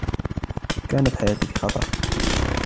كانت حياتي في خطر.